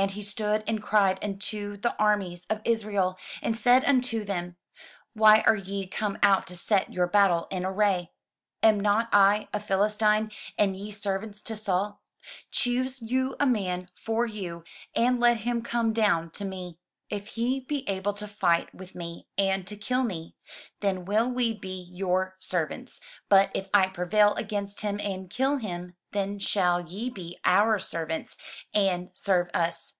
And he stood and cried unto the armies of Israel, and said unto them, "Why are ye come out to set your battle in array? Am not I a Philistine, and ye servants to Saul? Choose you a man for you, and let him come down to me. If he be able to fight with me, and to kill me, then will we be your servants; but if I prevail against him, and kill him, then shall ye be our servants, and serve us.